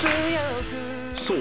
そう！